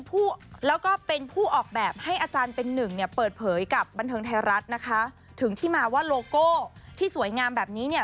บันเทิงไทยรัฐนะคะถึงที่มาว่าโลโก้ที่สวยงามแบบนี้เนี่ย